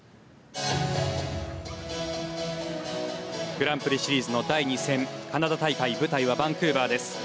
グランプリシリーズの第２戦カナダ大会舞台はバンクーバーです。